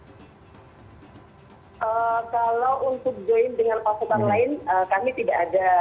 kalau untuk join dengan pasukan lain kami tidak ada